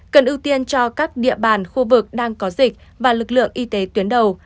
cần ưu tiên cho các địa bàn khu vực đang có dịch và lực lượng y tế tuyến đầu